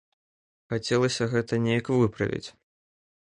Хацелася гэта неяк выправіць.